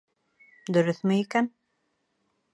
Дөрөҫмө икән?